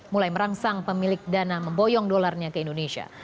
mulai merangsang pemilik dana memboyong dolarnya ke indonesia